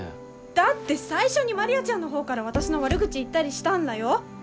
だって最初にマリアちゃんの方から私の悪口言ったりしたんらよ。